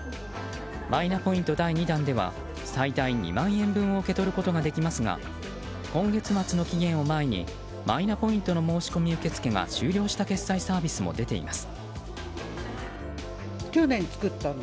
マイナポイント第２弾では最大２万円分を受け取ることができますが今月末の期限を前にマイナポイントの申し込み受付が終了した決済サービスも出ています。